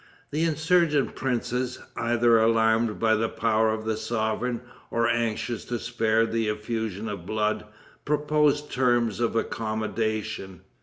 The insurgent princes, either alarmed by the power of the sovereign, or anxious to spare the effusion of blood, proposed terms of accommodation.